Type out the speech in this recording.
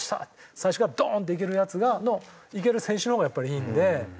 最初からドーンっていけるヤツのいける選手の方がやっぱりいいので。